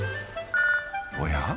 おや？